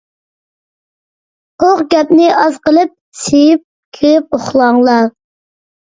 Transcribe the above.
قۇرۇق گەپنى ئاز قىلىپ، سىيىپ كىرىپ ئۇخلاڭلار.